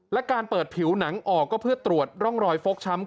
และการเปิดผิวหนังออกก็เพื่อตรวจร่องรอยฟกช้ำ